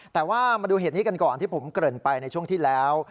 แต่ว่ามาดูเหตุนี้กันก่อนที่ผมเกริ่นไปในช่วงที่แล้ว